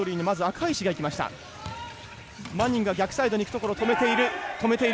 マニングが逆サイドに行くところを止めている止めている。